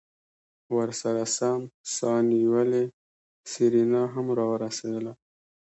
ورسرہ سم سا نيولې سېرېنا هم راورسېدله.